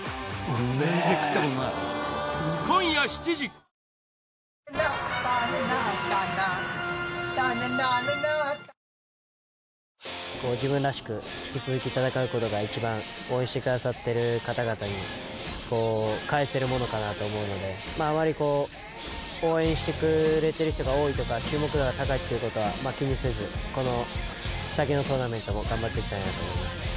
ＧｉｆｔｆｒｏｍｔｈｅＥａｒｔｈ自分らしく、引き続き戦うことが一番、応援してくださっている方々に返せるものかなと思うのであまり応援してくれてる人が多いとか注目度が高いということは気にせずこの先のトーナメントも頑張っていきたいなと思っています。